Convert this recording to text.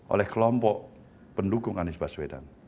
oleh kelompok pendukung anies baswedan